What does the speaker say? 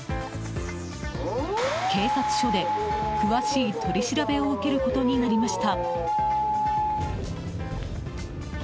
警察署で詳しい取り調べを受けることになりました。